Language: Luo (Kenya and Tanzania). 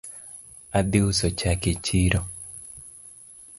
Adhi uso chak e chiro